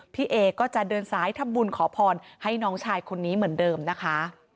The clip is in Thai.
พี่เอก็จะเดินซ้ายทำบุญขอพรให้น้องชายคนนี้เหมือนเดิมนะคะ